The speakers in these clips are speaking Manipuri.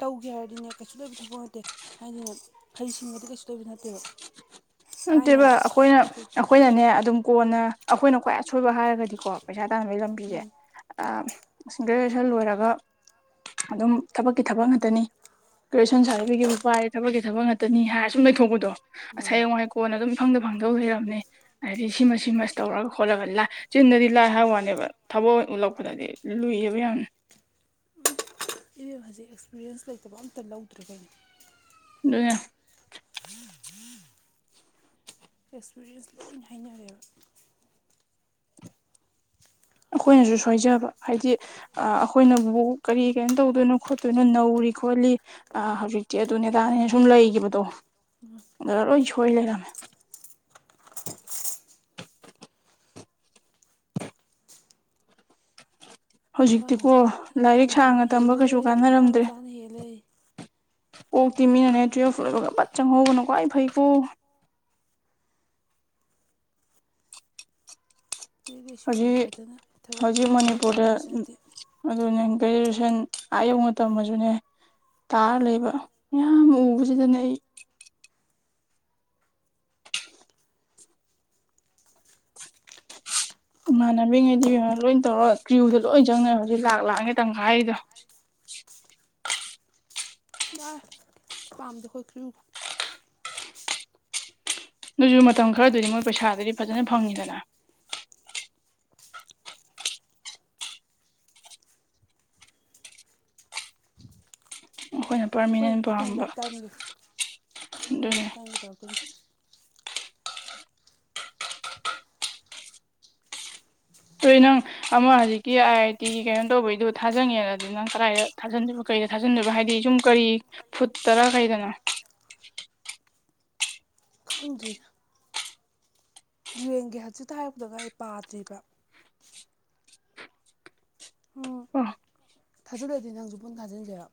ꯇꯧꯒꯦ ꯍꯥꯏꯔꯗꯤꯅꯦ ꯀꯩꯁꯨ ꯂꯩꯏꯕ ꯊꯕꯛ ꯅꯠꯇꯦ ꯍꯥꯏꯗꯤꯅ ꯍꯩꯁꯤꯡꯕꯗꯤ ꯀꯩꯁꯨ ꯇꯣꯏꯕ ꯅꯠꯇꯦꯕ ꯊꯥꯏꯅ ꯅꯠꯇꯦꯕ ꯑꯈꯣꯏꯅ ꯑꯩꯈꯣꯏ ꯑꯥ ꯑꯈꯣꯏꯅꯅꯦ ꯑꯗꯨꯝ ꯀꯣꯟꯅ ꯑꯈꯣꯏꯅ ꯈ꯭ꯋꯥꯏ ꯑꯁꯣꯏꯕ ꯍꯥꯏꯔꯒꯗꯤꯀꯣ ꯄꯩꯁꯥ ꯇꯥꯟꯕꯩ ꯂꯝꯕꯤꯖꯦ ꯎꯝ ꯒ꯭ꯔꯦꯖꯨꯋꯌꯦꯁꯟ ꯂꯣꯏꯔꯒ ꯑꯗꯨꯝ ꯊꯕꯛꯀꯤ ꯊꯕꯛ ꯉꯥꯛꯇꯅꯤ ꯒ꯭ꯔꯦꯖꯨꯋꯦꯁꯟ ꯁꯥꯔꯇꯤꯐꯤꯀꯦꯠꯄꯨ ꯄꯥꯏꯔꯗꯤ ꯊꯕꯛꯀꯤ ꯊꯕꯛ ꯉꯥꯛꯇꯅꯤ ꯍꯥꯏꯔ ꯁꯨꯝ ꯂꯩꯊꯣꯛꯄꯗꯣ ꯑꯁ ꯃꯥꯅꯦ ꯍꯌꯦꯡꯋꯥꯏ ꯀꯣꯟ ꯑꯗꯨꯝ ꯏꯐꯪꯗ ꯐꯪꯗꯧ ꯂꯩꯔꯕꯅꯤ ꯍꯥꯏꯗꯤ ꯁꯤꯃ ꯁꯤꯃꯁ ꯇꯧꯔꯒ ꯈꯣꯠꯂꯒ ꯂꯥ ꯆꯤꯟꯗꯗꯤ ꯂꯥꯏ ꯍꯥꯏ ꯋꯥꯅꯦꯕ ꯊꯕꯛ ꯑꯣꯏ ꯎꯠꯂꯛꯄꯗꯗꯤ ꯂꯨꯏꯌꯦꯕ ꯌꯥꯝ ꯏꯚꯦꯝ ꯍꯧꯖꯤꯛ ꯑꯦꯛꯁꯄꯤꯔꯤꯌꯦꯟꯁ ꯂꯩꯇꯕ ꯑꯝꯇ ꯂꯧꯗ꯭ꯔꯦ ꯀꯩꯅꯣ ꯑꯗꯨꯅꯦ ꯑꯦꯛꯁꯄꯤꯔꯤꯌꯦꯟꯁ ꯂꯣꯏ ꯍꯥꯏꯅꯔꯦꯕ ꯑꯩꯈꯣꯏꯅꯖꯨ ꯁꯣꯏꯖꯕ ꯍꯥꯏꯗꯤ ꯑꯥ ꯑꯩꯈꯣꯏꯅꯕꯨ ꯀꯔꯤ ꯀꯩꯅꯣ ꯇꯧꯗꯣꯏꯅꯣ ꯈꯣꯠꯇꯣꯏꯅꯣ ꯅꯧꯔꯤ ꯈꯣꯠꯂꯤ ꯑꯥ ꯍꯧꯖꯤꯛꯇꯤ ꯑꯗꯨ ꯅꯦꯗꯥꯅꯦꯅ ꯁꯨꯝ ꯂꯩꯒꯤꯕꯗꯣ ꯑꯗꯨ ꯂꯣꯏ ꯁꯣꯏ ꯂꯩꯔꯝꯃꯦ ꯏꯝꯐꯥꯜ ꯍꯧꯖꯤꯛꯇꯤꯀꯣ ꯃꯆꯥꯅ ꯏꯝꯐꯥꯜ ꯂꯥꯏꯔꯤꯛ ꯃꯆꯥꯅ ꯁꯥꯡꯅ ꯇꯝꯕ ꯍꯦꯜꯂꯦ ꯀꯩꯁꯨ ꯏꯝꯐꯥꯜ ꯀꯥꯟꯅꯔꯝꯗ꯭ꯔꯦ ꯃꯆꯥꯅ ꯍꯦꯜꯂꯦ ꯀꯣꯛꯇꯤ ꯃꯤꯅꯅꯦ ꯇꯨꯌꯦꯜꯞ ꯂꯣꯏꯕꯒ ꯄꯠ ꯆꯪꯍꯧꯕꯅ ꯈ꯭ꯋꯥꯏ ꯐꯩꯀꯣ ꯑꯇꯩꯗꯩꯁꯨ ꯌꯥꯝ ꯍꯧꯖꯤꯛ ꯐꯗꯅ ꯊꯕꯛ ꯍꯧꯖꯤꯛ ꯁꯤꯗꯩ ꯃꯅꯤꯄꯨꯔꯗ ꯇꯧꯅꯤꯁꯨ ꯅꯠꯇꯦ ꯑꯗꯨꯅꯦ ꯒ꯭ꯔꯦꯖꯦꯁꯟ ꯑꯥ ꯌꯧꯅ ꯇꯝꯃꯁꯨꯅꯦ ꯇꯥꯔ ꯂꯩꯕ ꯃꯌꯥꯝ ꯎꯕꯖꯤꯗꯅꯦ ꯑꯩ ꯏꯃꯥꯟꯅꯕꯤꯉꯩꯗꯤ ꯏꯕꯦꯝꯃ ꯂꯣꯏ ꯇꯧꯔ ꯀ꯭ꯔꯤꯌꯨꯗ ꯂꯣꯏ ꯆꯪꯅꯕꯖꯦ ꯂꯥꯛ ꯂꯥꯛꯅꯦ ꯇꯥꯟꯈꯥꯏꯗꯣ ꯗꯥ ꯄꯥꯝꯗꯦ ꯑꯈꯣꯏ ꯀ꯭ꯔꯤꯌꯨꯒ ꯑꯗꯨꯣꯏꯖꯨ ꯃꯇꯝ ꯈꯔꯗꯨꯗꯤ ꯃꯣꯏ ꯄꯩꯁꯥꯗꯨꯗꯤ ꯐꯖꯅ ꯐꯪꯉꯤꯗꯅ ꯑꯈꯣꯏꯅ ꯑꯩꯈꯣꯏ ꯄꯥꯔꯃꯤꯅꯦꯟ ꯑꯩꯈꯣꯏꯅ ꯄꯥꯝꯕ ꯂꯥꯏꯞ ꯑꯗꯨꯅꯦ ꯅꯪꯒꯤ ꯇꯧꯔꯛꯇꯨꯏꯅꯤ ꯇꯣꯏ ꯅꯪ ꯑꯃ ꯍꯧꯖꯤꯛꯀꯤ ꯑꯥꯏ ꯑꯥꯏ ꯇꯤꯒꯤ ꯀꯩꯅꯣ ꯇꯧꯕꯩꯗꯣ ꯊꯥꯖꯟꯉꯦꯅꯗꯤ ꯅꯪ ꯀꯗꯥꯏꯗ ꯊꯥꯖꯤꯟꯗꯣꯏꯕ ꯀꯩꯗ ꯊꯥꯖꯤꯟꯗꯣꯏꯕ ꯍꯥꯏꯗꯤ ꯁꯨꯝ ꯀꯔꯤ ꯐꯨꯠꯇꯔꯥ ꯀꯩꯗꯅꯣ ꯈꯪꯗ꯭ꯔꯤ ꯄꯔ꯭ꯦꯝꯒꯤ ꯍꯧꯖꯤꯛꯇ ꯍꯥꯏꯔꯛꯄꯗ ꯉꯥꯏꯔꯤ ꯑꯩ ꯄꯥꯗ꯭ꯔꯤꯕ ꯑꯝ ꯊꯥꯖꯜꯂꯑꯗꯤ ꯅꯪꯖꯨ ꯄꯨꯟ ꯊꯥꯖꯤꯟꯖꯤꯔꯣ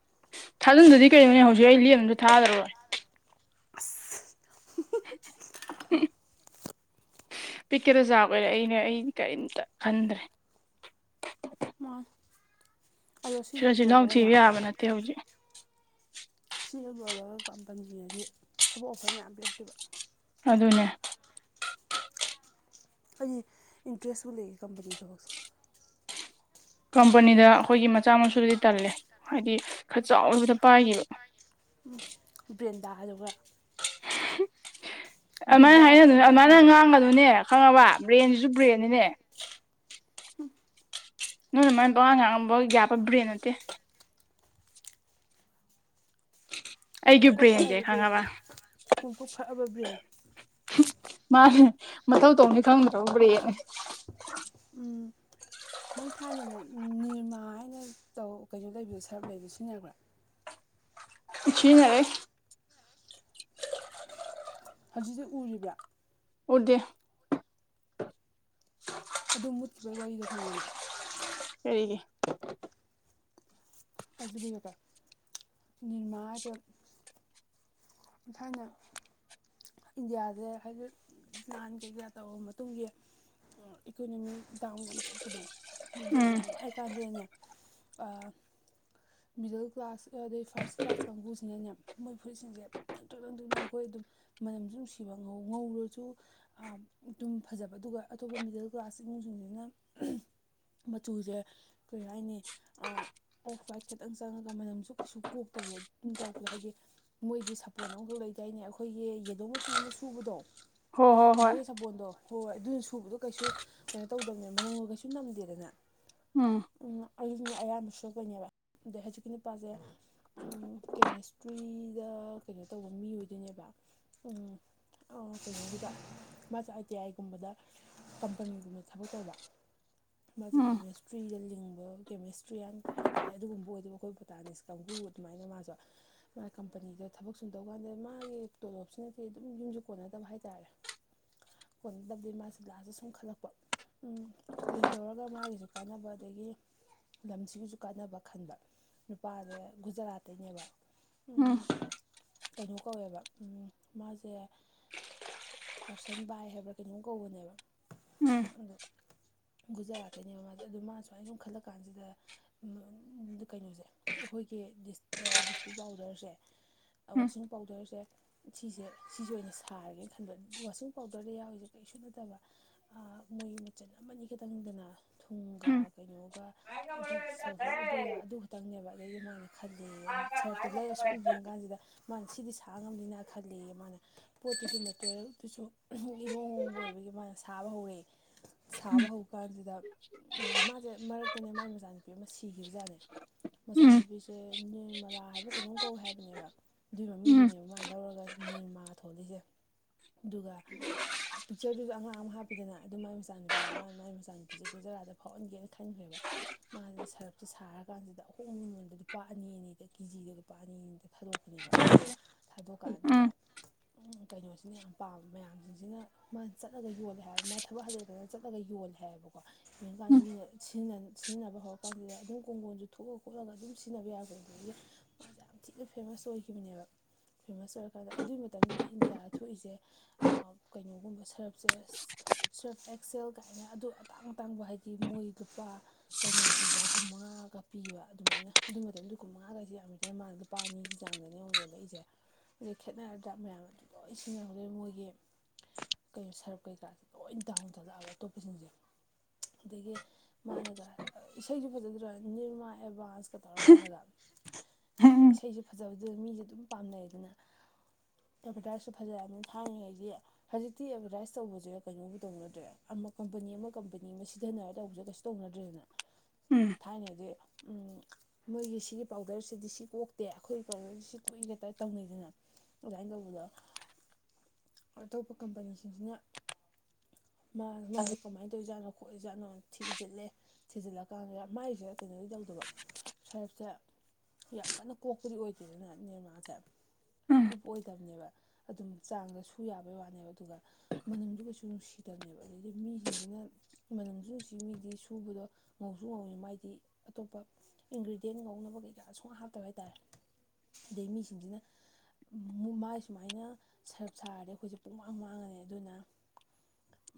ꯊꯥꯖꯤꯟꯗꯗꯤ ꯀꯩꯅꯣꯅꯦ ꯍꯧꯖꯤꯛ ꯑꯩ ꯂꯦꯝ ꯑꯃꯝꯇ ꯊꯥꯗꯔꯣꯏ [inaudible] ꯄꯤꯛꯀꯦꯔꯥ ꯆꯥꯎꯒꯦꯔꯥ ꯑꯩꯅꯦ ꯑꯩ ꯀꯔꯤꯝꯇꯥ ꯈꯟꯗ꯭ꯔꯦ ꯃꯅꯦ ꯁꯤꯗ ꯆꯤꯜꯍꯥꯎ ꯊꯤꯕ ꯌꯥꯕ ꯅꯠꯇꯦ ꯍꯧꯖꯤꯛ ꯁꯤ ꯍꯦꯛ ꯂꯣꯏꯕꯒꯥ ꯀꯝꯄꯟꯅꯤꯗꯤ ꯊꯕꯛ ꯑꯣꯐꯔ ꯃꯌꯥꯝ ꯄꯤꯔꯛꯇꯨꯏꯕ ꯑꯗꯨꯅꯦ ꯑꯩꯒꯤ ꯏꯟꯇ꯭ꯔꯦꯁꯁꯨ ꯂꯩꯌꯦ ꯀꯝꯄꯅꯤ ꯊꯕꯛꯁꯦ ꯀꯝꯄꯅꯤꯗ ꯑꯩꯈꯣꯏꯒꯤ ꯃꯆꯥ ꯃꯁꯨꯗꯤ ꯇꯜꯂꯦ ꯍꯥꯏꯗꯤ ꯈꯔ ꯆꯥꯎꯔꯕꯗ ꯄꯥꯏꯒꯤꯕ ꯎꯝ ꯕ꯭ꯔꯦꯟꯗꯥ ꯑꯗꯨꯒ ꯕ꯭ꯔꯤꯟꯗꯥ ꯑꯗꯨꯃꯥꯏꯅ ꯍꯥꯏꯕꯁꯤ ꯍꯥꯏꯅꯗꯨꯅꯦ ꯑꯃꯨꯛꯇꯪ ꯑꯗꯨꯃꯥꯏꯅ ꯈꯟꯖꯩ ꯉꯥꯡꯕꯗꯒꯅꯨꯅꯦ ꯈꯪꯉꯕ ꯕ꯭ꯔꯦꯟꯁꯤꯁꯨ ꯕ꯭ꯔꯦꯟꯅꯤꯅꯦ ꯅꯣꯏ ꯑꯗꯨꯃꯥꯏ ꯄꯉꯥꯡ ꯉꯥꯡꯉꯝꯕ ꯌꯥꯕ ꯕ꯭ꯔꯦꯟ ꯅꯠꯇꯦ ꯑꯩꯒꯤ ꯄꯣꯡꯀꯣꯛ ꯕ꯭ꯔꯦꯟꯁꯦ ꯐꯛꯑꯕ ꯕ꯭ꯔꯦꯟ ꯈꯪꯉꯕ ꯄꯣꯡꯀꯣꯛ ꯐꯛꯕ ꯕ꯭ꯔꯦꯟ ꯃꯥꯅꯦ ꯃꯊꯧ ꯇꯧꯅꯤ ꯈꯪꯗ꯭ꯔꯕ ꯕꯔ꯭ꯦꯟꯅꯦ ꯎꯝ ꯅꯪ ꯊꯥꯏꯅꯅꯦ ꯅꯤꯔꯃꯥ ꯍꯥꯏꯅ ꯇꯧ ꯀꯩꯅꯣ ꯂꯩꯕꯗꯣ ꯁꯔꯞ ꯂꯩꯕꯗꯣ ꯁꯤꯖꯤꯟꯅꯔꯛꯕ꯭ꯔꯥ ꯁꯤꯟꯅꯔꯦ ꯍꯧꯖꯤꯛꯁꯤ ꯎꯔꯤꯕ꯭ꯔꯥ ꯑꯣꯏꯗ ꯑꯗꯨ ꯃꯨꯠꯈꯤꯕꯒꯤ ꯋꯥꯔꯤꯗꯣ ꯈꯪꯕꯅ ꯑꯦꯒꯤ ꯑꯗꯨꯕꯦꯀ ꯅꯤꯔꯃ ꯍꯥꯏꯖꯦ ꯏ ꯊꯥꯅ ꯏꯟꯗꯤꯌꯥꯁꯦ ꯍꯥꯏꯗꯤ ꯂꯥꯟ ꯀꯩ ꯀꯩ ꯇꯧꯔꯕ ꯃꯇꯨꯡꯒꯤ ꯏꯀꯣꯅꯣꯃꯤ ꯗꯥꯎꯟ ꯌꯥꯝ ꯆꯠꯄꯗꯧ ꯎꯝ ꯌꯥꯝ ꯋꯥꯏ ꯆꯥꯟꯁꯤꯗꯅꯦ ꯃꯤꯗꯜ ꯀ꯭ꯂꯥꯁ ꯑꯗꯩ ꯐꯥꯔꯁ ꯀ꯭ꯂꯥꯁ ꯀꯥꯡꯕꯨꯁꯤꯅꯅꯦ ꯃꯣꯏ ꯐꯨꯔꯤꯁꯤꯡꯁꯦ ꯅꯪꯊꯣꯛ ꯅꯪꯊ ꯅꯪꯈꯣꯏ ꯑꯗꯨꯝ ꯃꯅꯝꯁꯨ ꯑꯗꯨꯝ ꯁꯤꯕ ꯉꯧ ꯉꯧꯔꯁꯨ ꯑꯗꯨꯝ ꯐꯖꯕ ꯑꯗꯨꯒ ꯑꯇꯣꯞꯄ ꯃꯤꯗꯜ ꯀ꯭ꯂꯥꯁ ꯏꯃꯨꯡꯁꯤꯡꯁꯤꯅ ꯃꯆꯨꯖꯦ ꯀꯔꯤ ꯍꯥꯏꯅꯤ ꯑꯥꯎꯠꯐꯏꯠ ꯈꯤꯇꯪ ꯆꯪꯉꯒ ꯃꯅꯝꯁꯨ ꯀꯩꯁꯨ ꯀꯣꯛꯇꯕꯗꯣ ꯑꯗꯨ ꯇꯧꯄꯗꯣ ꯍꯥꯏꯗꯤ ꯃꯣꯏꯗꯤ ꯁꯄ ꯁꯥꯄꯣꯟ ꯑꯈꯛ ꯂꯩꯇꯔꯤꯅꯦ ꯑꯩꯈꯣꯏꯒꯤ ꯌꯦꯗꯣ ꯃꯆꯨ ꯑꯃ ꯁꯨꯕꯗꯣ ꯍꯣ ꯍꯣ ꯍꯣꯏ ꯃꯣꯔꯦ ꯁꯥꯄꯣꯟꯗꯣ ꯍꯣꯏ ꯍꯣꯏ ꯑꯗꯨꯅ ꯁꯨꯕꯗꯣ ꯀꯩꯁꯨ ꯀꯩꯅꯣ ꯇꯧꯗꯕꯅꯦ ꯃꯅꯝ ꯀꯩꯁꯨ ꯅꯝꯗꯦꯗꯅ ꯎꯝ ꯑꯝ ꯑꯩꯗꯤꯅꯦ ꯑꯌꯥꯝꯕ ꯁꯦꯞꯄꯣꯏꯅꯦꯕ ꯑꯗꯩ ꯍꯧꯖꯤꯛꯀꯤ ꯅꯨꯄꯥꯁꯦ ꯀꯦꯃꯦꯁꯇ꯭ꯔꯤꯗ ꯀꯩꯅꯣ ꯇꯧꯕ ꯃꯤ ꯑꯣꯏꯗꯣꯏꯅꯦꯕ ꯀꯩꯅꯣꯁꯤꯗ ꯃꯥꯁ ꯑꯥꯏ ꯇꯤ ꯑꯥꯏꯒꯨꯝꯕꯗ ꯀꯝꯄꯅꯤꯒꯨꯝꯅ ꯊꯕꯛ ꯇꯧꯕ ꯃꯥꯗꯤ ꯎꯝ ꯀꯦꯃꯤꯁꯇ꯭ꯔꯤꯗ ꯂꯤꯡꯕ ꯀꯦꯃꯤꯁꯇ꯭ꯔꯤꯌꯥꯟ ꯀꯩ ꯍꯥꯏꯇꯥꯔꯦ ꯑꯗꯨꯒꯨꯝꯕ ꯑꯣꯏꯗꯨꯕ ꯑꯩꯈꯣꯏ ꯕꯣꯇꯥꯅꯤꯛꯁ ꯀꯥꯡꯕꯨ ꯑꯗꯨꯃꯥꯏꯅ ꯃꯥꯖꯨ ꯃꯥꯏ ꯀꯝꯄꯅꯤꯗꯨ ꯊꯕꯛ ꯁꯨꯨꯝ ꯇꯧ ꯀꯥꯟꯗ ꯃꯥꯒꯤ ꯇꯣꯂꯣꯞꯁꯤꯅꯗꯤ ꯑꯗꯨꯝ ꯌꯨꯝꯁꯨ ꯀꯣꯟꯅꯗꯕ ꯍꯥꯏꯇꯥꯔꯦ ꯀꯣꯟꯒꯗꯕꯗꯤ ꯃꯥꯁꯤ ꯂꯥꯁꯦ ꯁꯨꯝ ꯈꯜꯂꯛꯄ ꯎꯝ ꯀꯔꯤ ꯇꯧꯔꯒ ꯃꯥꯒꯤꯁꯨ ꯀꯥꯟꯅꯕ ꯑꯗꯒꯤ ꯂꯝꯁꯤꯒꯤꯁꯨ ꯀꯥꯟꯅꯕ ꯈꯟꯕ ꯅꯨꯄꯥꯖꯦ ꯒꯨꯖꯔꯥꯠꯇꯩꯅꯦꯕ ꯑꯝ ꯎꯝ ꯀꯩꯅꯣ ꯀꯧꯋꯦꯕ ꯑꯝ ꯃꯥꯖꯦ ꯀꯔꯁꯟ ꯕꯥꯏ ꯍꯥꯏꯕ꯭ꯔꯥ ꯀꯩꯅꯣꯝ ꯀꯧꯕꯅꯦꯕ ꯎꯝ ꯑꯗꯣ ꯒꯨꯖꯔꯥꯠꯇꯅꯦꯕ ꯃꯥꯁꯦ ꯑꯗꯨ ꯃꯥ ꯁꯨꯃꯥꯏꯅ ꯁꯨꯝ ꯈꯜꯂ ꯀꯥꯟꯁꯤꯗ ꯀꯩꯅꯣꯁꯦ ꯑꯩꯈꯣꯏꯒꯤ ꯗꯤꯁꯇ꯭ꯔꯤꯛ ꯄꯥꯎꯗꯔꯁꯦ ꯑ ꯎꯝ ꯋꯥꯁꯤꯡ ꯄꯥꯎꯗꯔꯁꯦ ꯁꯤꯁꯦ ꯁꯤꯁꯦ ꯑꯣꯏꯅ ꯁꯥꯔꯒꯦꯅ ꯈꯟꯕ ꯋꯥꯁꯤꯡ ꯄꯥꯎꯗꯔꯗ ꯌꯥꯎꯔꯤꯁꯦ ꯀꯩꯁꯨ ꯅꯠꯇꯕ ꯃꯣꯏ ꯃꯆꯟ ꯑꯃꯅꯤ ꯈꯛꯇꯪꯗꯅ ꯊꯨꯝꯒ ꯎꯝ ꯀꯩꯅꯣꯒ ꯑꯗꯨ ꯁꯜꯐꯔ ꯑꯗꯨꯗ ꯑꯗꯨ ꯈꯛꯇꯪꯅꯦꯕ ꯑꯗꯨꯗꯩꯃ ꯈꯜꯂꯦ ꯁꯔꯞꯇꯨ ꯂꯩꯔ ꯁꯨꯝ ꯌꯦꯡ ꯀꯥꯟꯁꯤꯗ ꯃꯥꯅ ꯁꯤꯗꯤ ꯁꯥ ꯉꯝꯅꯤꯅ ꯈꯜꯂ ꯃꯥꯅ ꯄꯣꯠꯇꯨꯁꯨ ꯃꯦꯇꯔꯤꯌꯦꯜꯗꯨꯁꯨ ꯏꯍꯣꯡ ꯍꯍꯣꯡꯕ ꯑꯣꯏꯕꯒꯤ ꯃꯥꯅ ꯁꯥꯕ ꯍꯧꯔꯛꯏꯦ ꯁꯥꯕ ꯍꯧꯕ ꯀꯥꯟꯖꯤꯗ ꯎꯝ ꯃꯥꯁꯦ ꯃꯔꯛꯇꯅꯦ ꯃꯥꯒꯤ ꯃꯆꯥꯅꯨꯄꯤ ꯑꯃ ꯁꯤꯈꯤꯕꯖꯥꯠꯅꯦ ꯎꯝ ꯃꯆꯥꯅꯨꯄꯤꯁꯦ ꯅꯤꯔꯃꯥꯂꯥ ꯍꯥꯏꯕ꯭ꯔꯥ ꯀꯩꯅꯣꯝ ꯀꯧꯏ ꯍꯥꯏꯕꯅꯦꯕ ꯑꯗꯨꯏ ꯎꯝ ꯎꯝ ꯃꯃꯤꯡꯗꯨꯅꯦꯕ ꯃꯥꯅ ꯂꯧꯔꯒ ꯅꯤꯔꯃꯥ ꯊꯣꯛꯂꯤꯁꯦ ꯑꯗꯨꯒ ꯄꯤꯛꯆꯔꯗꯨꯗ ꯑꯉꯥꯡ ꯑꯃ ꯍꯥꯞꯄꯤꯗꯅ ꯑꯗꯨ ꯃꯥꯏ ꯃꯆꯥꯅꯨꯄꯤꯅꯦ ꯃꯥ ꯃꯥꯏ ꯃꯆꯥꯅꯨꯄꯤꯁꯦ ꯒꯨꯖꯔꯥꯠꯇ ꯐꯥꯎꯍꯟꯒꯦꯅ ꯈꯟꯈ꯭ꯔꯦꯕ ꯃꯥꯁꯦ ꯁꯔꯞꯁꯦ ꯁꯥꯔꯀꯥꯟꯖꯤꯗ ꯑꯍꯣꯡꯕ ꯃꯃꯟꯗ ꯂꯨꯄꯥ ꯑꯅꯤ ꯑꯅꯤꯗ ꯀꯦꯖꯤꯒ ꯂꯨꯄꯥ ꯑꯅꯤ ꯑꯅꯤꯗ ꯊꯥꯗꯣꯛꯄꯅꯦꯕ ꯎꯝ ꯊꯥꯗꯣꯛꯀꯥꯟꯁꯤꯗ ꯀꯩꯅꯣꯁꯤꯅ ꯌꯥꯝ ꯄꯥꯝꯕ ꯃꯌꯥꯝꯁꯤꯡꯁꯤꯅ ꯃꯥ ꯆꯠꯂꯒ ꯌꯣꯜꯂꯦ ꯍꯥꯏꯕ ꯃꯥ ꯊꯕꯛ ꯍꯟꯊꯗꯅ ꯆꯠꯂꯒ ꯌꯣꯜꯂꯦ ꯍꯥꯏꯌꯦꯕꯀꯣ ꯌꯦ ꯎꯝ ꯎꯝ ꯀꯥꯟꯗ ꯁꯤꯖꯤꯟꯅꯕ ꯍꯧꯔ ꯀꯥꯟꯁꯤꯗ ꯑꯗꯨꯝ ꯀꯣꯡꯒꯣꯟꯁꯨ ꯊꯣꯛꯑ ꯈꯣꯠꯂꯒ ꯑꯗꯨꯝ ꯁꯤꯖꯤꯟꯅꯕ ꯌꯥꯕ ꯑꯗꯒꯤ ꯃꯥꯁ ꯌꯥꯝ ꯊꯤꯅ ꯐꯦꯃꯁ ꯑꯣꯏꯈꯤ ꯊꯣꯛꯈꯤꯕꯅꯦꯕ ꯐꯦꯃꯁ ꯑꯣꯏꯔꯀꯥꯟꯗ ꯑꯗꯨꯏ ꯃꯇꯝꯗꯨꯗ ꯏꯟꯗꯤꯌꯥꯗ ꯊꯣꯛꯏꯁꯦ ꯑꯥ ꯀꯩꯅꯣꯒꯨꯝꯕ ꯁꯔꯞꯁꯦ ꯁ꯭ꯔꯐ ꯑꯦꯛꯁꯦꯜ ꯀꯥꯏꯅ ꯑꯗꯨ ꯑꯇꯥꯡ ꯑꯇꯥꯡꯕ ꯍꯥꯏꯗꯤ ꯃꯣꯏ ꯂꯨꯄꯥ ꯀꯩꯅꯣ ꯄꯤꯕ ꯀꯨꯟꯃꯉꯥꯒ ꯄꯤꯕ ꯑꯗꯨꯃꯥꯏꯅ ꯑꯗꯨ ꯃꯇꯝꯗ ꯀꯨꯟꯃꯉꯥꯒꯁ ꯌꯥꯝꯃꯤꯗꯅ ꯃꯥꯅ ꯂꯨꯄꯥ ꯑꯅꯤꯒꯤ ꯆꯥꯡꯗꯅꯤ ꯌꯣꯡꯂꯛꯏꯁꯦ ꯑꯩ ꯈꯦꯠꯅꯔꯗ ꯃꯌꯥꯝ ꯑꯗꯨ ꯂꯣꯏ ꯁꯤꯖꯤꯟꯅꯍꯧꯗꯦ ꯃꯣꯏꯒꯤ ꯀꯩ ꯁꯔꯞ ꯀꯩꯀꯁꯦ ꯂꯣꯏ ꯗꯥꯎꯟ ꯊꯠꯂꯛꯑꯕ ꯑꯇꯣꯞꯄꯁꯤꯡꯁꯦ ꯑꯗꯒꯤ ꯃꯥꯅꯒ ꯏꯁꯩꯁꯨ ꯐꯖꯗ꯭ꯔꯥ ꯅꯤꯔꯃꯥ ꯑꯦꯚꯥꯟꯁ ꯇꯧꯔꯀꯥꯟꯗꯒ ꯏꯁꯩꯁꯨ ꯐꯖꯕꯗꯨꯗ ꯃꯤꯁꯦ ꯑꯗꯨꯝ ꯄꯥꯝꯅꯩ ꯑꯗꯨꯅ ꯑꯦꯚꯔꯇꯏꯁꯁꯨ ꯐꯖꯅꯤꯅ ꯊꯥꯡꯅꯉꯩꯗꯤ ꯍꯧꯖꯤꯛꯇꯤ ꯑꯦꯕꯔꯗꯥꯏꯁ ꯇꯧꯕꯁꯦ ꯀꯩꯅꯣꯒꯥ ꯇꯧꯅꯗ꯭ꯔꯦ ꯑꯃ ꯀꯝꯄꯅꯤ ꯑꯃ ꯀꯝꯄꯅꯤ ꯑꯃ ꯁꯤꯖꯤꯟꯅꯔ ꯇꯧꯕꯦ ꯀꯩꯁꯨ ꯇꯧꯅꯗ꯭ꯔꯦꯗꯅ ꯎꯝ ꯊꯥꯏꯅꯗꯤ ꯎꯝ ꯃꯣꯏꯒꯤ ꯁꯤꯒꯤ ꯄꯥꯎꯗꯔꯁꯤꯗꯤ ꯁꯤ ꯀꯣꯛꯇꯦ ꯑꯈꯣꯏ [unintelligible] ꯁꯤ ꯀꯨꯏꯔꯦ ꯇꯧꯅꯤꯗꯅ ꯑꯗꯨꯃꯥꯏꯅ ꯇꯧꯕꯗꯣ ꯑꯇꯣꯞꯄ ꯀꯝꯄꯅꯤꯁꯤꯡꯁꯤꯅ ꯃꯥꯏꯁꯦ ꯀꯃꯥꯏꯅ ꯇꯧꯔꯤꯖꯥꯠꯅꯣ ꯈꯣꯠꯂꯤꯖꯥꯠꯅꯣ ꯊꯤꯖꯤꯜꯂꯦ ꯊꯤꯖꯤꯜꯂꯀꯥꯟꯗ ꯃꯥꯏꯁꯦ ꯀꯩꯅꯣꯗꯤ ꯇꯧꯗꯕ ꯁꯔꯞꯁꯦ ꯌꯥꯝ ꯀꯟꯅ ꯀꯣꯛꯄꯗꯤ ꯑꯣꯏꯗꯦ [unintelligible] ꯅꯤꯔꯃꯖꯦ ꯀꯨꯞ ꯑꯣꯏꯗꯕꯅꯦꯕ ꯑꯗꯨꯝ ꯆꯥꯡꯗ ꯁꯨ ꯌꯥꯕꯩ ꯋꯥꯅꯦꯕ ꯑꯗꯨꯒ ꯃꯅꯝꯁꯨ ꯀꯩꯁꯨ ꯅꯨꯡꯁꯤ ꯗꯕꯅꯦꯕ ꯑꯗꯨꯗꯤ ꯃꯤꯡꯖꯤꯡꯖꯤꯅ ꯃꯅꯝꯁꯨ ꯅꯨꯡꯁꯤ ꯃꯤꯗꯤ ꯁꯨꯕꯗꯣ ꯉꯧꯁꯨ ꯉꯧꯏꯤ ꯃꯥꯏꯗꯤ ꯑꯇꯣꯞꯄ ꯏꯟꯒ꯭ꯔꯤꯗ꯭ꯌꯦꯟ ꯉꯧꯅꯕ ꯀꯩꯀꯥ ꯁꯨꯝꯍꯥꯞꯇꯕ ꯍꯥꯏꯇꯔꯦ ꯑꯗꯩ ꯃꯤꯁꯤꯡꯁꯤꯅ ꯃꯥꯏ ꯁꯨꯃꯥꯏꯅ ꯁꯔꯞ ꯁꯥꯔꯗꯤ ꯑꯈꯣꯏꯖꯦ ꯄꯨꯡꯃꯥꯡ ꯃꯥꯡꯉꯅꯤ ꯑꯗꯨꯅ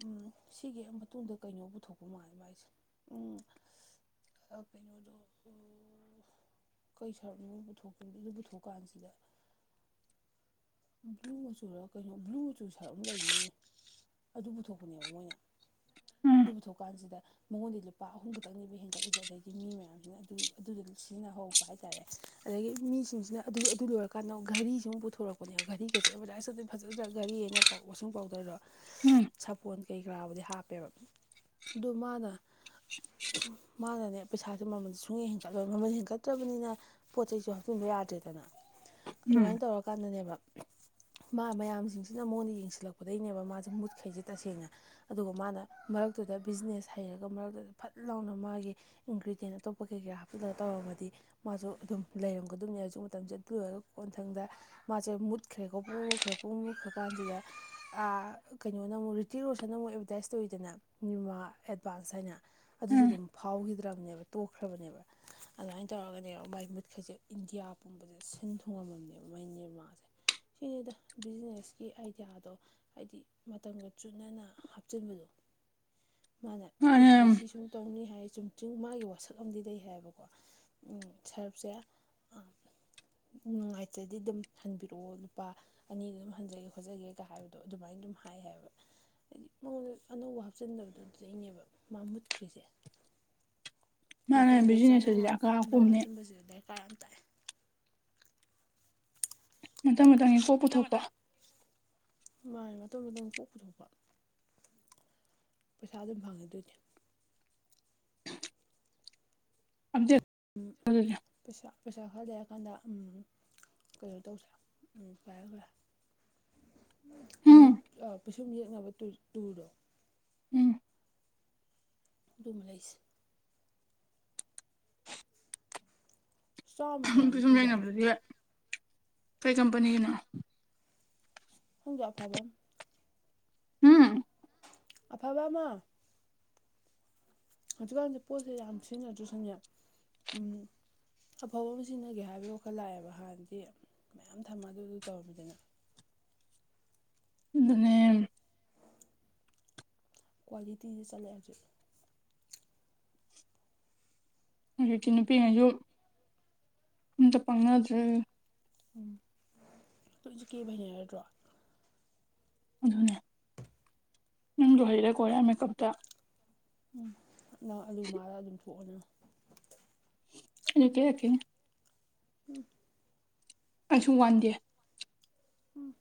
ꯎꯝ ꯁꯤꯒꯤ ꯃꯇꯨꯡꯗ ꯀꯩꯅꯣ ꯄꯨꯊꯣꯛꯄ ꯃꯥꯜꯂꯦ ꯃꯥꯏꯁꯦ ꯎꯝ ꯑꯥ ꯀꯩꯅꯣꯗꯣ ꯎꯝ ꯀꯩ ꯁꯔꯞꯅꯣ ꯄꯨꯊꯣꯛꯄ ꯑꯗꯨ ꯄꯨꯊꯣꯛꯀꯥꯟꯁꯤꯗ ꯕ꯭ꯂꯨ ꯆꯨꯔ ꯀꯩꯅꯣ ꯕ꯭ꯂꯨ ꯆꯨ ꯁꯔꯞ ꯑꯃ ꯂꯩꯕꯅꯤꯅꯦ ꯑꯗꯨ ꯄꯨꯊꯣꯛꯄꯅꯦꯕ ꯃꯣꯏꯅ ꯑꯗꯨ ꯄꯨꯊꯣꯛ ꯀꯥꯟꯁꯤꯗ ꯃꯉꯣꯟꯗꯩ ꯂꯨꯄꯥ ꯑꯍꯨꯝ ꯈꯛꯇꯪꯅꯤꯕ ꯍꯦꯟꯒꯠꯂꯤꯁꯦ ꯑꯗꯩꯗꯤ ꯃꯤ ꯃꯌꯥꯝꯖꯤꯅ ꯑꯗꯨ ꯑꯗꯨꯗꯨ ꯁꯤꯖꯤꯟꯅꯍꯧꯔꯛꯄ ꯍꯥꯏꯇꯥꯔꯦ ꯑꯗꯒꯤ ꯃꯤꯁꯤꯡꯁꯤꯅ ꯑꯗꯨ ꯑꯗꯨ ꯂꯣꯏꯔꯀꯥꯟꯗ ꯘꯔꯤꯁꯤ ꯑꯃꯨꯛ ꯄꯨꯊꯣꯔꯛꯄꯅꯦꯕ ꯘꯔꯤꯒꯁꯦ ꯑꯦꯕꯔꯗꯥꯏꯁꯇꯒꯗꯤ ꯐꯖꯗ꯭ꯔꯥ ꯘꯔꯤꯑꯅ ꯋꯥꯁꯤꯡ ꯄꯥꯎꯗꯔꯗꯣ ꯎꯝ ꯁꯥꯄꯣꯟ ꯀꯩꯀꯔꯥꯕꯨꯗꯤ ꯍꯥꯞꯄꯦꯕ ꯑꯗꯨ ꯃꯥꯅ ꯃꯥꯅꯅꯦ ꯄꯩꯁꯥꯁꯦ ꯃꯃꯜꯁꯦ ꯁꯨꯡ ꯍꯦꯟꯒꯠꯂꯣꯏ ꯃꯃꯜ ꯍꯦꯟꯒꯠꯇ꯭ꯔꯕꯅꯤꯅ ꯄꯣꯠ ꯆꯩꯁꯨ ꯍꯥꯞꯆꯤꯟꯕ ꯌꯥꯗ꯭ꯔꯦꯗꯅ ꯎꯝ ꯑꯗꯨꯃꯥꯏꯅ ꯇꯧꯔꯀꯥꯟꯗꯅꯦꯕ ꯃꯥ ꯃꯌꯥꯝꯁꯤꯡꯁꯤꯅ ꯃꯉꯣꯟꯗ ꯌꯦꯡꯁꯤꯜꯂꯛꯄꯗꯩꯅꯦꯕ ꯃꯥꯁꯦ ꯃꯨꯠꯈꯩꯁꯦ ꯇꯁꯦꯡꯅ ꯑꯗꯨꯒ ꯃꯥꯅ ꯃꯔꯛꯇꯨꯗ ꯕꯤꯖꯤꯅꯦꯁ ꯍꯩꯔꯒ ꯃꯔꯛꯇꯨꯗ ꯐꯠ ꯂꯥꯎꯅ ꯃꯥꯒꯤ ꯏꯟꯒ꯭ꯔꯤꯗꯤꯌꯦꯟ ꯑꯇꯣꯞꯄ ꯀꯩ ꯀꯩ ꯍꯥꯞꯆꯤꯜꯂꯒ ꯇꯧꯔꯝꯃꯗꯤ ꯃꯥꯁꯨ ꯑꯗꯨꯝ ꯂꯩꯔꯝ ꯑꯗꯨꯝꯅꯦ ꯍꯧꯖꯤꯛ ꯃꯇꯝꯁꯦ ꯂꯣꯏꯔꯒ ꯀꯣꯟꯊꯪꯗ ꯃꯥꯁꯦ ꯃꯨꯠꯈ꯭ꯔꯦꯀꯣ ꯄꯨꯡꯃꯨꯠ ꯃꯨꯠꯈ ꯀꯥꯟꯁꯤꯗ ꯀꯩꯅꯣꯅ ꯑꯃꯨꯛ ꯇꯇꯤ ꯔꯣꯁꯟ ꯑꯃꯨꯛ ꯑꯦꯕꯔꯗꯥꯏꯁ ꯇꯧꯋꯤꯗꯅ ꯅꯤꯔꯃꯥ ꯑꯦꯗꯚꯥꯟꯁ ꯍꯥꯏꯅ ꯑꯗꯨꯁꯨ ꯎꯝ ꯑꯗꯨꯝ ꯐꯥꯎꯈꯤꯗ꯭ꯔꯕꯅꯦꯕ ꯇꯣꯛꯈ꯭ꯔꯕꯅꯦꯕ ꯑꯗꯨꯃꯥꯏꯅ ꯇꯧꯔꯒꯅꯦ ꯃꯥꯏ ꯃꯨꯠꯈꯖꯤꯛ ꯏꯟꯗꯤꯌꯥ ꯄꯨꯝꯕꯁꯦ ꯁꯤꯟ ꯊꯨꯡꯉꯝꯃꯝꯅꯦꯕ ꯃꯥꯏ ꯅꯤꯔꯃꯥꯁꯦ ꯁꯤꯅꯤꯗ ꯕꯤꯖꯤꯅꯦꯁꯀꯤ ꯑꯥꯏꯗꯤꯌꯥꯗꯣ ꯍꯥꯏꯗꯤ ꯃꯇꯝꯒ ꯆꯨꯅꯅ ꯍꯥꯞꯆꯤꯟꯕꯗꯣ ꯃꯥꯟꯅꯦ ꯑꯩꯒꯤꯗꯤ ꯃꯥꯅ ꯁꯤ ꯁꯨꯝ ꯇꯧꯅꯤ ꯍꯥꯏ ꯆꯨꯝ ꯆꯤꯡ ꯃꯥꯒꯤ ꯋꯥꯁꯛ ꯑꯃꯗꯤ ꯂꯩ ꯍꯥꯏꯕꯀꯣ ꯁꯔꯞꯁꯦ ꯑ ꯎ ꯅꯨꯡꯉꯥꯏꯖꯗꯤ ꯑꯗꯨꯝ ꯍꯟꯕꯤꯔꯛꯑꯣ ꯂꯨꯄꯥ ꯑꯅꯤ ꯑꯗꯨꯝ ꯍꯟꯖꯒꯦ ꯈꯣꯠꯆꯒꯦꯒ ꯍꯥꯏꯕꯗꯣ ꯑꯗꯨꯃꯥꯏꯅ ꯑꯗꯨꯝ ꯍꯥꯏ ꯍꯥꯏꯕ ꯍꯥꯏꯗꯤ ꯃꯉꯣꯟꯗ ꯑꯅꯧꯕ ꯍꯥꯞꯆꯤꯟꯗꯕꯗꯨꯗꯨꯗꯩꯅꯦꯕ ꯃꯥ ꯃꯨꯠꯈ꯭ꯔꯤꯁꯦ ꯃꯥꯅ ꯃꯇꯝꯒ ꯕꯤꯖꯤꯅꯦꯁ ꯑꯁꯤꯗꯤ ꯆꯥꯟꯅꯅ ꯑꯀꯥ ꯑꯅꯧꯕ ꯑꯀꯨꯝꯅꯦ ꯍꯥꯞꯆꯟꯕꯖꯦ ꯗꯔꯀꯥꯔ ꯌꯥꯝ ꯇꯥꯏꯑꯦ ꯃꯇꯥꯡ ꯃꯇꯡꯒꯤ ꯀꯣꯛ ꯄꯨꯊꯣꯛꯄ ꯃꯥꯅ‌ꯦ ꯃꯇꯝ ꯃꯇꯝꯒꯤ ꯀꫭꯛ ꯄꯨꯊꯣꯛꯄ ꯄꯩꯁꯥ ꯑꯗꯨꯝ ꯐꯪꯉꯦ ꯑꯗꯨꯏꯗꯤ꯫ ꯑꯗꯞ [unintelligible] ꯎꯝ ꯄꯩꯁꯥ ꯄꯩꯁꯥ ꯈꯔ ꯂꯩꯔꯀꯥꯟꯗ ꯎꯝ ꯀꯩꯅꯣ ꯇꯧꯁꯦ ꯎꯝ ꯐꯔꯦ ꯐꯔꯦ ꯎꯝ ꯃꯤꯠ ꯑꯥ ꯄꯤꯁꯨꯝ ꯌꯦꯛꯅꯕ ꯇꯨꯔꯗꯣ ꯎꯝ ꯑꯗꯨꯃ ꯂꯩꯁꯦ ꯆꯥꯝꯃ ꯀꯌꯥꯃꯨꯛ ꯄꯤꯁꯨꯝ ꯄꯤꯗꯥꯏꯅꯦ ꯌꯦꯡꯅꯕꯗꯨꯗꯤ ꯀꯩ ꯀꯝꯄꯅꯤꯒꯤꯅꯣ ꯈꯣꯡꯗ ꯑꯐꯕꯃ ꯎꯝ ꯑꯐꯕ ꯑꯃ ꯍꯧꯖꯤꯛꯀꯥꯟꯁ ꯄꯣꯠꯁꯦ ꯌꯥꯝ ꯁꯤꯖꯤꯟꯅꯗ꯭ꯔ ꯁꯨꯅꯦ ꯎꯝ ꯑꯐꯕ ꯑꯃ ꯁꯤꯖꯤꯟꯅꯒꯦ ꯍꯥꯏꯕꯒꯤ ꯋꯥꯈꯜ ꯂꯥꯛꯑꯦꯕ ꯍꯥꯟꯅꯗꯤ ꯃꯌꯥꯝ ꯊꯝꯃ ꯑꯗꯨꯗꯨ ꯇꯧꯔꯝꯃꯤꯗꯅ ꯑꯗꯨꯅꯦꯝ ꯀ꯭ꯋꯥꯂꯤꯇꯤꯗ ꯆꯠꯂꯦ ꯍꯧꯖꯤꯛ ꯑꯖꯤꯛꯇꯤ ꯅꯨꯄꯤ ꯒꯩꯖꯨ ꯑꯝꯇ ꯄꯪꯅꯗ꯭ꯔꯦ ꯎꯝ ꯂꯣꯏꯖꯨ ꯀꯦꯕ ꯍꯩꯅꯔꯗ꯭ꯔꯣ ꯑꯗꯨꯅꯦ ꯅꯪꯖꯨ ꯍꯩꯔꯦ ꯀꯔꯦꯌꯥꯟ ꯃꯦꯀꯞꯇ ꯎꯝ ꯅꯪ ꯑꯂꯨ ꯃꯥꯜꯂ ꯑꯗꯨꯝ ꯊꯣꯛꯑꯣ ꯅꯪ ꯑꯩꯖꯨ ꯀ‌ꯦꯔꯛꯈꯤꯅꯤ ꯎꯝ [unintelligible] ꯑꯩꯁꯨ ꯋꯥꯟꯗꯦ ꯎꯝ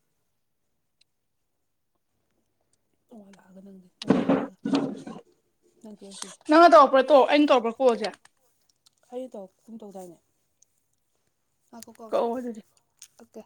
ꯅꯋꯥ ꯂꯥꯛꯑꯒ ꯅꯪꯗꯤ ꯅꯋꯥ ꯂꯥꯛꯑꯒ ꯅꯪ ꯀꯦꯔꯛꯇꯣꯏꯁꯦ ꯅꯪꯅ ꯇꯧꯔꯛꯄ꯭ꯔꯥ ꯇꯣ ꯑꯩꯅ ꯇꯧꯔꯛꯄ꯭ꯔꯥ ꯀꯣꯜꯖꯦ ꯑꯩꯅ ꯇꯧꯔꯛ ꯀꯨꯝ ꯇꯧꯗꯥꯏꯅꯦ ꯉꯥꯏꯈꫭꯀꯣ ꯀꯛꯑꯣ ꯑꯗꯨꯗꯤ ꯀꯛꯀ‌ꯦ